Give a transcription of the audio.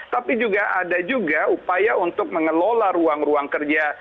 tapi juga ada juga upaya untuk mengelola ruang ruang kerja